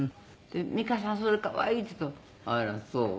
「美川さんそれ可愛い」って言うと「あらそう？